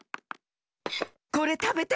これたべて！